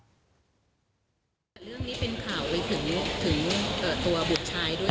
แต่เรื่องนี้เป็นข่าวไปถึงตัวบุตรชายด้วย